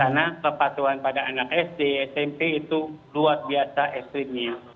karena kepatuhan pada anak sd smp itu luar biasa ekstrimnya